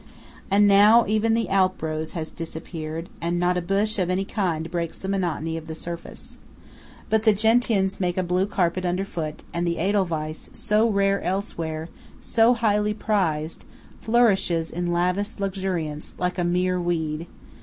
And now even the Alp rose has disappeared, and not a bush of any kind breaks the monotony of the surface. But the gentians make a blue carpet underfoot; and the Edelweiss, so rare elsewhere, so highly prized, flourishes in lavish luxuriance, like a mere weed.